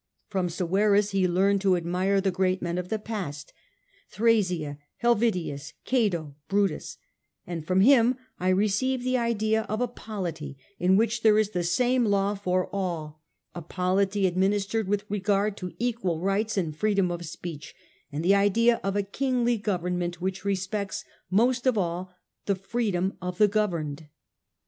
* From Severus he learnt to admire th j great men of the past — Thrasea, Helvidius, Cato, Br jtus ; 'and from him I received the idea of a polity ir which there is the same law for all, a polity administered with regard to equal rights and freedom of speech, and the idea of a kingly government which respects most of all the freedom of the governed.